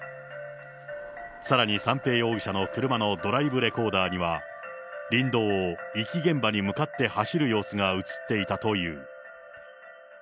さらに三瓶容疑者の車のドライブレコーダーには、林道を遺棄現場に向かって走る様子が写っていたという。